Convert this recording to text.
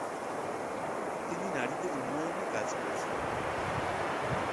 তিনি নারীদের উন্নয়নে কাজ করেছেন।